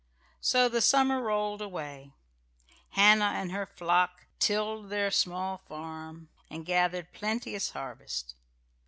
So the summer rolled away. Hannah and her little flock tilled their small farm and gathered plenteous harvest.